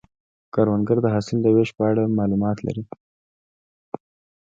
کروندګر د حاصل د ویش په اړه معلومات لري